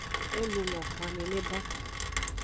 E luno xwan nene ba.